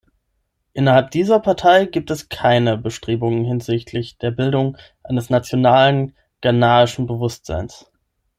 Innerhalb dieser Partei gibt es keine Bestrebungen hinsichtlich der Bildung eines nationalen ghanaischen Bewusstseins.